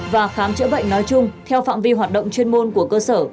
và khám chữa bệnh nói chung theo phạm vi hoạt động chuyên môn của cơ sở